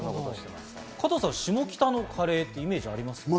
加藤さん、下北のカレー、イメージありますか？